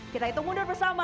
kita hitung mundur bersama